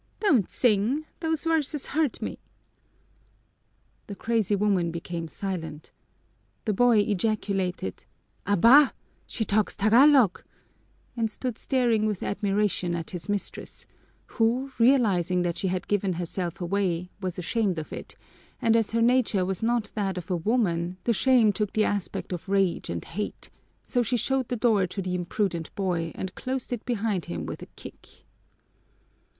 "Don't sing! Those verses hurt me." The crazy woman became silent. The boy ejaculated, "Abá! She talks Tagalog!" and stood staring with admiration at his mistress, who, realizing that she had given herself away, was ashamed of it, and as her nature was not that of a woman, the shame took the aspect of rage and hate; so she showed the door to the imprudent boy and closed it behind him with a kick.